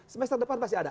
semester depan pasti ada